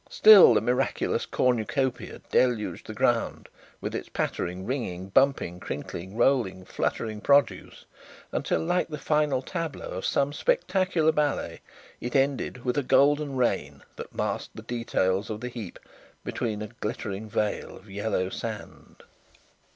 Still the miraculous cornucopia deluged the ground, with its pattering, ringing, bumping, crinkling, rolling, fluttering produce until, like the final tableau of some spectacular ballet, it ended with a golden rain that masked the details of the heap beneath a glittering veil of yellow sand.